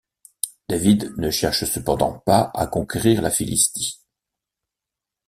David ne cherche cependant pas à conquérir la Philistie.